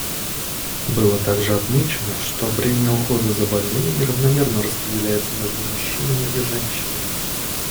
Было также отмечено, что бремя ухода за больными неравномерно распределяется между мужчинами и женщинами.